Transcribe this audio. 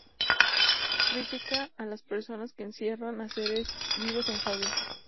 Critica a las personas que encierran a seres vivos en jaulas.